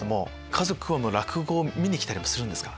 家族は落語見にきたりもするんですか？